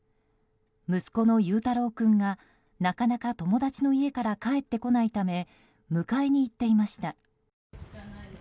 息子の悠太郎君がなかなか友達の家から帰ってこないため迎えに行っていました。